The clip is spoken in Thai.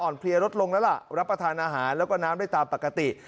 เพลียลดลงแล้วล่ะรับประทานอาหารแล้วก็น้ำได้ตามปกติ